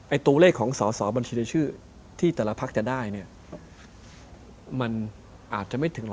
ไอ้ตัวเลขของสอบัญชีได้ชื่อที่แต่ละภักดิ์จะได้มันอาจจะไม่ถึง๑๕๐